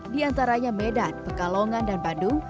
di antaranya medan pekalongan dan bandung